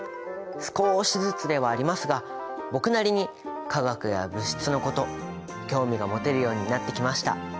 少しずつではありますが僕なりに化学や物質のこと興味が持てるようになってきました。